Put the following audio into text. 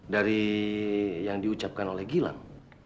dari yang diucapkan oleh gilang